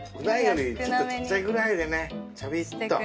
ちょっとちっちゃいぐらいでねちょびっと。